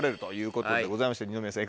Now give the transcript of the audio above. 二宮さん